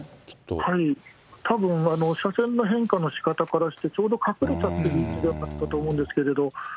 たぶん、車線の変化のしかたからして、ちょうど隠れちゃってる位置じゃないかと思うんですけれども。